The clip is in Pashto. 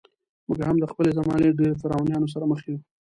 موږ هم د خپلې زمانې له ډېرو فرعونانو سره مخ یو.